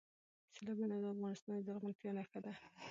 سیلابونه د افغانستان د زرغونتیا نښه ده.